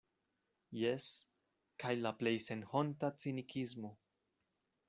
Jes, kaj la plej senhonta cinikismo.